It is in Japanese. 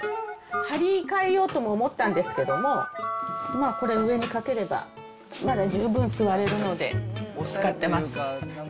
張り替えようとも思ったんですけども、まあ、これ、上にかければまだ十分座れるので、使ってます。